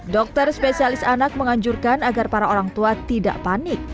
dokter spesialis anak menganjurkan agar para orang tua tidak panik